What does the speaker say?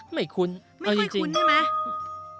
ไม่คุ้นไม่ค่อยคุ้นใช่ไหม